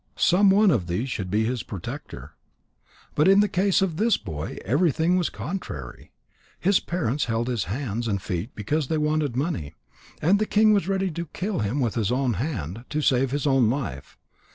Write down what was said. Some one of these should be his protector. But in the case of this boy everything was contrary. His parents held his hands and feet because they wanted money. And the king was ready to kill him with his own hand, to save his own life.